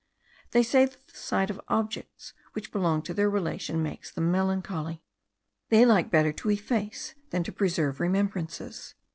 They say that the sight of objects which belonged to their relation makes them melancholy. They like better to efface than to preserve remembrances.